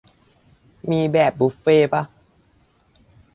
มีแบบบุฟเฟ่ต์ป่ะ ?